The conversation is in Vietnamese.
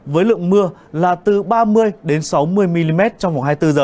với lượng mưa là từ ba mươi sáu mươi mm trong vòng hai mươi bốn h